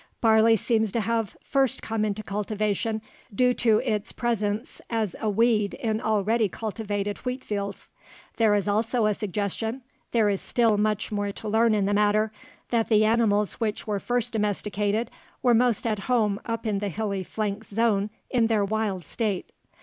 Barley seems to have first come into cultivation due to its presence as a weed in already cultivated wheat fields. There is also a suggestion there is still much more to learn in the matter that the animals which were first domesticated were most at home up in the hilly flanks zone in their wild state.